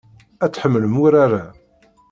Ad tḥemmlem urar-a.